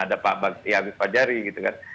ada pak baktiawi fajari gitu kan